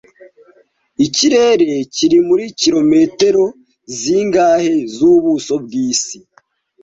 ikirere kiri muri kilometero zingahe zubuso bwisi